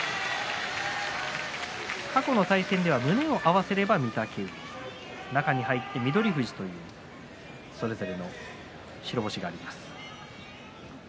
過去の対戦では胸を合わせれば御嶽海、中に入って翠富士それぞれの白星があります。